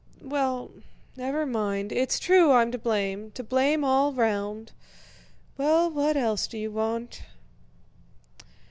Well, never mind, it's true I'm to blame, to blame all round. Well, what else do you want?..."